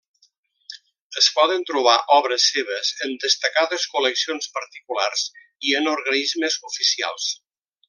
Es poden trobar obres seves en destacades col·leccions particulars i en organismes oficials.